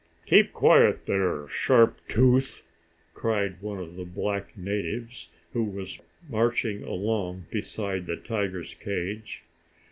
"Keep quiet there, Sharp Tooth!" cried one of the black natives who was marching along beside the tiger's cage.